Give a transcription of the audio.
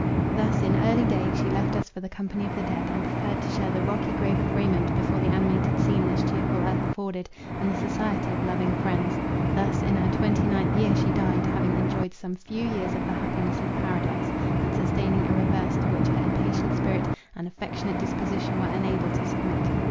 Thus, in early day, she left us for the company of the dead, and preferred to share the rocky grave of Raymond, before the animated scene this cheerful earth afforded, and the society of loving friends. Thus in her twenty ninth year she died; having enjoyed some few years of the happiness of paradise, and sustaining a reverse to which her impatient spirit and affectionate disposition were unable to submit.